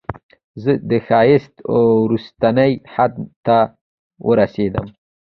زه د ښایست وروستني حد ته ورسیدم